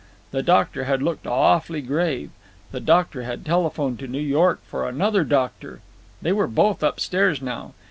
The doctor had looked awfully grave. The doctor had telephoned to New York for another doctor. They were both upstairs now.